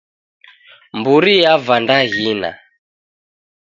Mburi yava ndaghina.